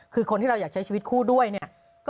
คือคนที่เราอยากใช้ชีวิตคู่ด้วยเนี่ย